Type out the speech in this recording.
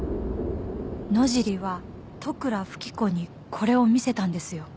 野尻は利倉富貴子にこれを見せたんですよ。